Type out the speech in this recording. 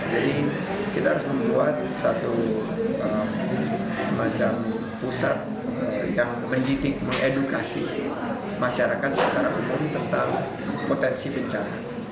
kita harus membuat satu semacam pusat yang mendidik mengedukasi masyarakat secara umum tentang potensi bencana